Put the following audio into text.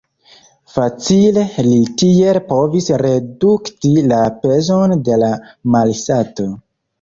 Facile li tiel povis redukti la pezon de la malsato.